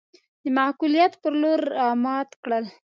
د معقوليت پر لور رامات کړل.